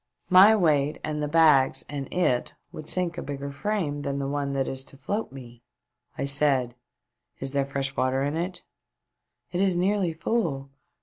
My weight and the bags and it would sink a bigger frame than the one that is to float me." I said : "Is there fresh water in it ?"" It is nearly full.